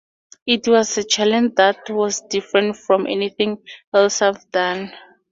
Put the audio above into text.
It was a challenge that was different from anything else I've done.